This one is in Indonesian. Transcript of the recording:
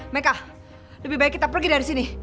mereka lebih baik kita pergi dari sini